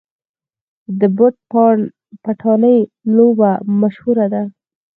د پټ پټانې لوبه مشهوره ده.